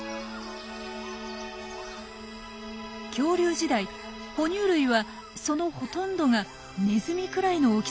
恐竜時代ほ乳類はそのほとんどがネズミくらいの大きさでした。